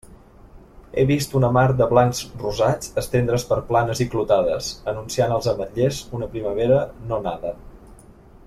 He vist una mar de blancs-rosats estendre's per planes i clotades, anunciant els ametllers una primavera no nada.